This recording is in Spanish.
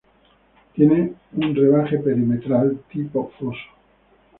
Tiene un rebaje perimetral tipo foso.